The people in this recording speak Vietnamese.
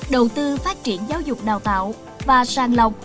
đầu tư phát triển giáo dục đào tạo và sàng lọc